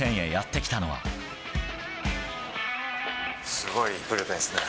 すごいブルペンですね。